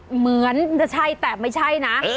เหมือนจะใช่แต่ไม่ใช่นะ